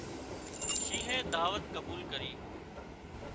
شينهنئي دعوت قبول ڪرِي